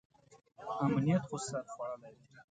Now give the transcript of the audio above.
امنیت خو سر خوړلی دی.